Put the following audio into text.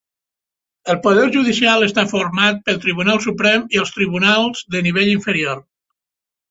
El poder judicial està format pel Tribunal suprem i els tribunals de nivell inferior.